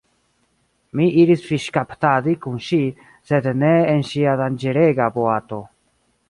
Mi iris fiŝkaptadi kun ŝi sed ne en ŝia danĝerega boato.